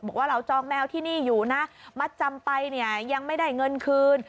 บอกว่าเราจองแมวที่นี่อยู่นะมัดจำไปเนี่ยยังไม่ได้เงินคืน